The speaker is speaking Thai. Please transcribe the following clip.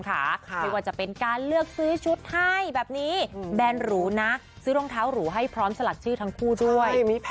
ไม่ว่าจะเป็นการเลือกซื้อชุดให้แบบนี้แบนหรูนะซื้อรองเท้าหรูให้พร้อมสลักชื่อทั้งคู่ด้วย